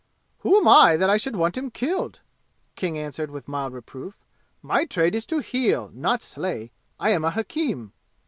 "Who am I that I should want him killed?" King answered with mild reproof. "My trade is to heal, not slay. I am a hakim."